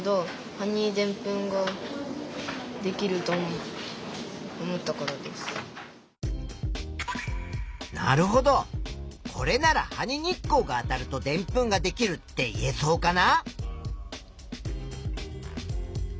理由はなるほどこれなら「葉に日光があたるとでんぷんができる」って言えそうかな？